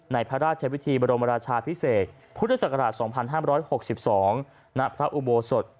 พระราชวิธีบรมราชาพิเศษพุทธศักราช๒๕๖๒ณพระอุโบสถ